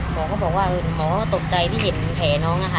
หมอก็บอกว่าหมอก็ตกใจที่เห็นแผลน้องนะคะ